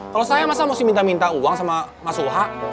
kalau saya masa mesti minta minta uang sama mas uha